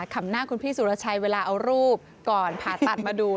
คำหน้าคุณพี่สุรชัยเวลาเอารูปก่อนผ่าตัดมาดู